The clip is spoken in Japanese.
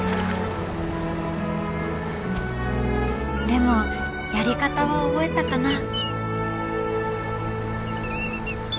「でもやり方は覚えたかな？」。